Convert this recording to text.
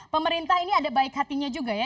pemerintah ini ada baik hatinya juga ya